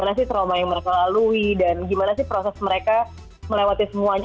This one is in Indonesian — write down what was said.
mana sih trauma yang mereka lalui dan gimana sih proses mereka melewati semuanya